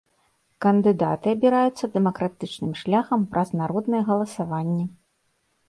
Кандыдаты абіраюцца дэмакратычным шляхам праз народнае галасаванне.